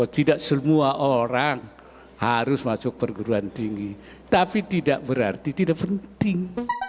tidak semua orang harus masuk perguruan tinggi tapi tidak berarti tidak penting